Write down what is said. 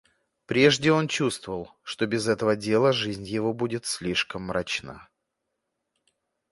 Прежде он чувствовал, что без этого дела жизнь его будет слишком мрачна.